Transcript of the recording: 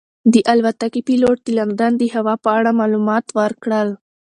د الوتکې پېلوټ د لندن د هوا په اړه معلومات ورکړل.